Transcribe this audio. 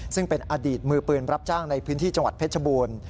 ซึ่งเป็นอดีตมือปืนรับจ้างในพื้นที่จังหวัดเพชรบูรณ์